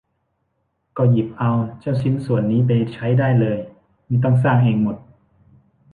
ก็หยิบเอาเจ้าชิ้นส่วนนี้ไปใช้ได้เลย ไม่ต้องสร้างเองหมด